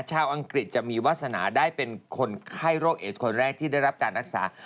อังกฤษจะมีวาสนาได้เป็นคนไข้โรคเอสคนแรกที่ได้รับการรักษา